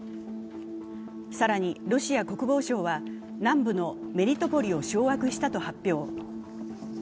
更にロシア国防省は南部のメリトポリを掌握したと発表。